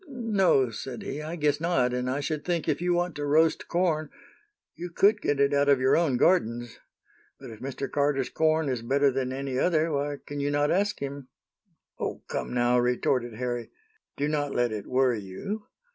"No," said he. "I guess not; and I should think if you want to roast corn, you could get it out of your own gardens. But if Mr. Carter's corn is better than any other, why can you not ask him " "O, come, now," retorted Harry, "do not let it worry you!